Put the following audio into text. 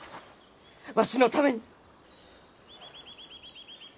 わしのために！